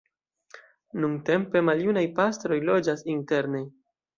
Nuntempe maljunaj pastroj loĝas interne.